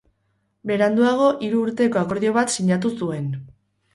Beranduago hiru urteko akordio bat sinatu zuen.